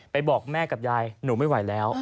บอกแม่กับยายหนูไม่ไหวแล้ว